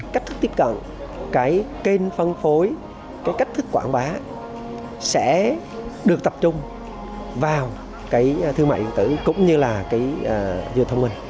cách thức tiếp cận kênh phân phối cách thức quảng bá sẽ được tập trung vào thương mại dân tử cũng như là dân thông minh